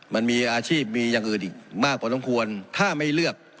มันมีอาชีพมีอย่างอื่นอีกมากพอต้องควรถ้าไม่เลือก